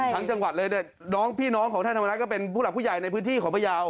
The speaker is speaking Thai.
จังหวัดเลยเนี่ยน้องพี่น้องของท่านธรรมนัฐก็เป็นผู้หลักผู้ใหญ่ในพื้นที่ของพยาว